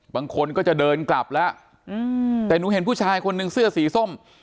บางคนก็จะเดินกลับแล้วแต่หนูเห็นผู้ชายคนนึงเสื้อสีส้ม